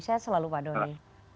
saya selalu pak donny